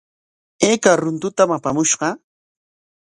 ¿Ayka runtutam apamushqa?